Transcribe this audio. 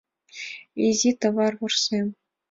Изи товар вурсем.